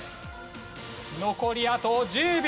残りあと１０秒。